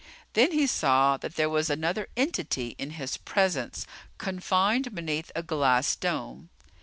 Then he saw that there was another entity in his presence confined beneath a glass dome.